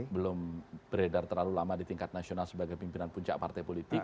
belum beredar terlalu lama di tingkat nasional sebagai pimpinan puncak partai politik